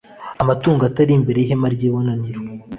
amatungo atari imbere y ihema ry ibonaniro